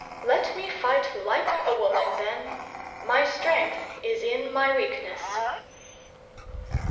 Let me fight like a woman, then; my strength is in my weakness."